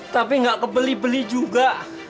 tapi nggak kebeli beli juga